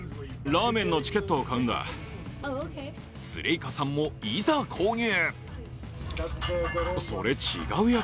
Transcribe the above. スレイカさんも、いざ購入。